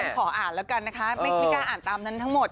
ขออ่านแล้วกันนะคะไม่กล้าอ่านตามนั้นทั้งหมด